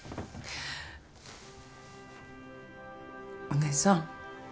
お義姉さん